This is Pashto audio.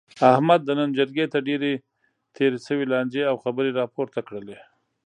احمد د نن جرګې ته ډېرې تېرې شوې لانجې او خبرې را پورته کړلې.